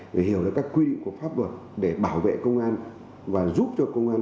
để hiểu được các quy định của pháp luật để bảo vệ công an và giúp cho công an